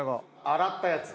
洗ったやつ。